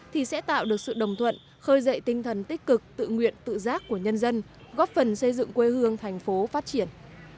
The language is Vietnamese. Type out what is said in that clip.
thì sẽ tạo được sự đồng thuận khơi dậy tinh thần tích cực tự nguyện tự giác của nhân dân góp phần xây dựng quê hương thành phố phát triển